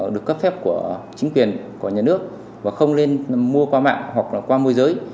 được cấp phép của chính quyền của nhà nước và không nên mua qua mạng hoặc qua môi giới